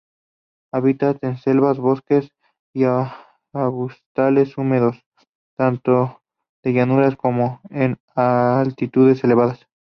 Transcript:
Habitan en selvas, bosques, y arbustales húmedos, tanto de llanura como en altitudes elevadas.